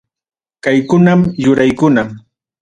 Kaykunam yuraykuna.